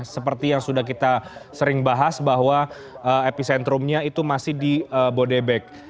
seperti yang sudah kita sering bahas bahwa epicentrumnya itu masih di bodebek